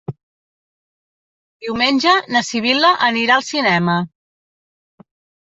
Diumenge na Sibil·la anirà al cinema.